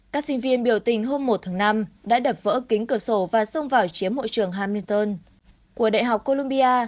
các sinh viên biểu tình hôm một tháng năm đã đập vỡ kính cửa sổ và xông vào chiếm hội trường hamilton của đại học columbia